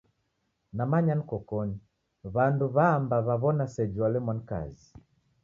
Namanya nikokoni, w'andu w'amba w'aw'ona sejhi walemwa ni kazi.